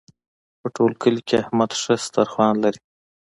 په ټول کلي کې احمد ښه دسترخوان لري.